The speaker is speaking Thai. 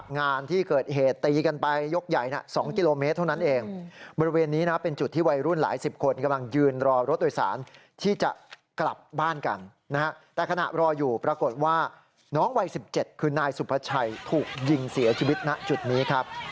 น้องวัย๑๗คือนายสุภาชัยถูกยิงเสียชีวิตณจุดนี้ครับ